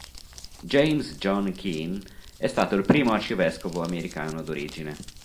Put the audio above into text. James John Keane è stato il primo arcivescovo americano d'origine.